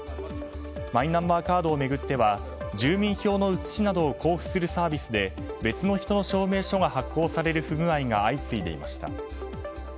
マイナンバーカードを巡っては住民票の写しなどを交付するサービスで別の人の証明書が発行される不具合が相次いでいました。